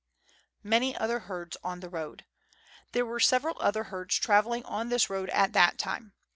Many other Herds on the Road. There were several other herds travelling on this road at the time.